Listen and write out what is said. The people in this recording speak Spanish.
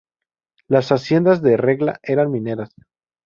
Las haciendas de Regla eran mineras.